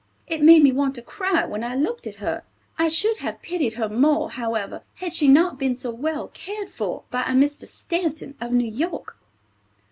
It made me want to cry when I looked at her. I should have pitied her more, however, had she not been so well cared for by a Mr. Stanton, of New York."